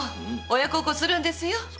親孝行するんですよ。